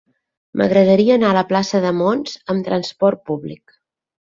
M'agradaria anar a la plaça de Mons amb trasport públic.